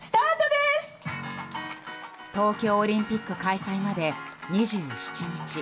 東京オリンピック開催まで２７日。